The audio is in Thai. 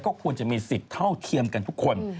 ก็ควรจะมีสิทธิ์เท่าเทียมกันทุกคน